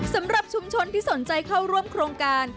สำหรับชุมชนที่สนใจเข้าร่วมโครงการ